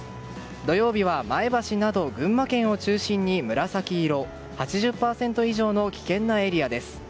土曜日は前橋など群馬県を中心に紫色の８０％以上の危険なエリアです。